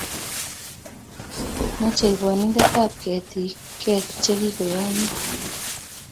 mechei bonindetab ketik ket chi kiyomyo kumye